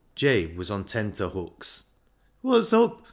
Jabe was " on tenter hooks." " Wot's up